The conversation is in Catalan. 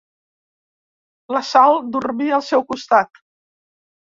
La Sal dormia al seu costat.